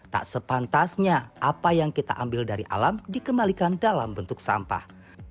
tak sepantasnya apa yang kita ambil dari alam dikembalikan dalam bentuk sampah